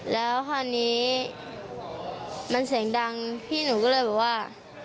แล้วคราวนี้มันเสียงดังพี่หนูก็เลยบอกว่า